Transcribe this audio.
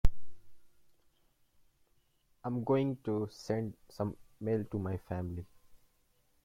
I am going to send some mail to my family.